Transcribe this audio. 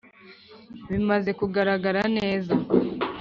bimaze kugaragara neza,